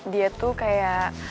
dia tuh kayak